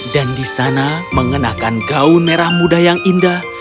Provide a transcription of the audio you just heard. dan di sana mengenakan gaun merah muda yang indah